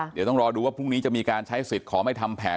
เดี๋ยวต้องรอดูว่าพรุ่งนี้จะมีการใช้สิทธิ์ขอไม่ทำแผน